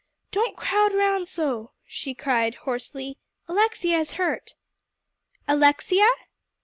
"Don't crowd around so," she cried hoarsely. "Alexia is hurt." "Alexia?"